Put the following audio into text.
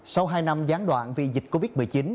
sau hai năm gián đoạn vì dịch covid một mươi chín